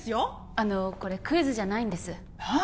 あのこれクイズじゃないんですはっ？